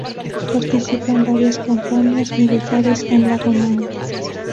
Participa en varias campañas militares en la Romaña.